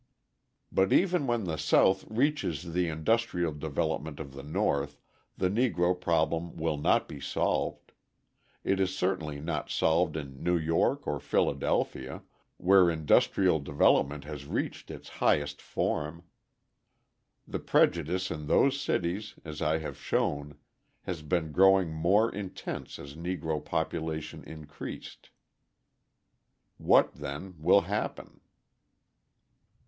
But even when the South reaches the industrial development of the North the Negro problem will not be solved; it is certainly not solved in New York or Philadelphia, where industrial development has reached its highest form. The prejudice in those cities, as I have shown, has been growing more intense as Negro population increased. What, then, will happen?